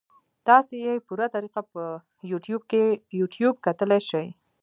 تاسو ئې پوره طريقه پۀ يو ټيوب کتے شئ -